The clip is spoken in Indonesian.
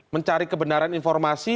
mencari kebenaran informasi